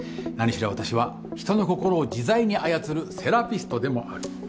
何しろ私は人の心を自在に操るセラピストでもある。